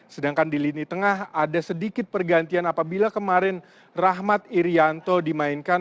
sedangkan di lini tengah ada sedikit pergantian apabila kemarin rahmat irianto dimainkan